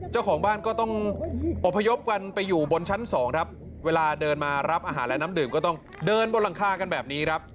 เจ้าของบ้านก็ต้องอบพยพกันไปอยู่บนชั้นสองครับเวลาเดินมารับอาหารและน้ำดื่มก็ต้องเดินบนหลังคากันแบบนี้ครับ